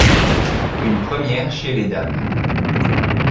Une première chez les dames.